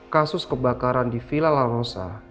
kasus kebakaran di villa la rosa